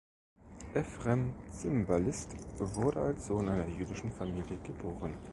Efrem Zimbalist wurde als Sohn einer jüdischen Familie geboren.